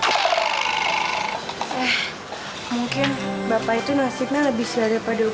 eh mungkin bapak itu nasibnya lebih sial daripada gue